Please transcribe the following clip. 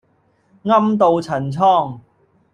暗渡陳倉